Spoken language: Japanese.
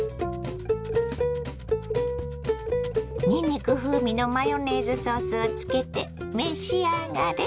にんにく風味のマヨネーズソースをつけて召し上がれ。